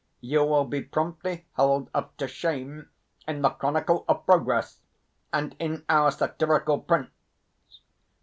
You will be promptly held up to shame in the Chronicle of Progress and in our satirical prints...."